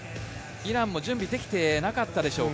イランも準備できていなかったでしょうか。